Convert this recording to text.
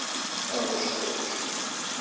Aɣecɣuc.